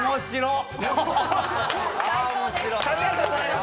ありがとうございます。